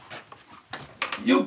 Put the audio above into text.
よっ！